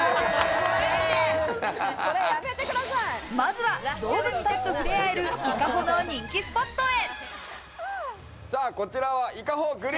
まずは動物たちと触れ合える伊香保の人気スポットへ。